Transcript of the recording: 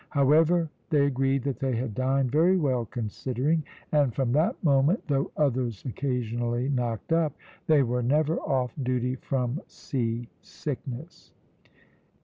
However, they agreed that they had dined very well considering, and from that moment, though others occasionally knocked up, they were never off duty from sea sickness.